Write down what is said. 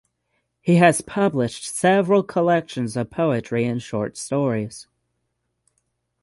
He has published several collections of poetry and short stories.